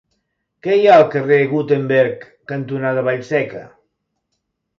Què hi ha al carrer Gutenberg cantonada Vallseca?